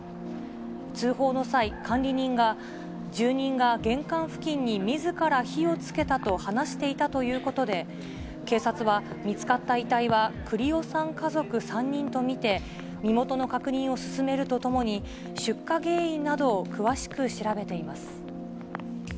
通報の際、管理人が、住人が玄関付近にみずから火をつけたと話していたということで、警察は見つかった遺体は栗尾さん家族３人と見て、身元の確認を進めるとともに、出火原因などを詳しく調べています。